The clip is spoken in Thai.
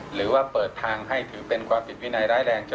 หรือว่าเปิดทางให้ถือเป็นความผิดวินัยร้ายแรง